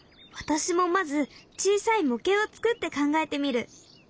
私もまず小さい模型を作って考えてみる。